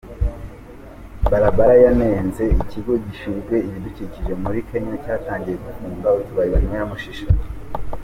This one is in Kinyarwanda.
Balala yanenze Ikigo gishinzwe ibidukikije muri Kenya cyatangiye gufunga utubari banyweramo shisha.